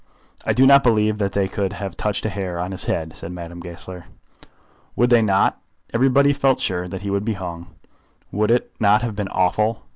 "I do not believe that they could have touched a hair of his head," said Madame Goesler. "Would they not? Everybody felt sure that he would be hung. Would it not have been awful?